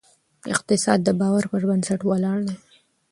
اقتصاد د باور پر بنسټ ولاړ دی.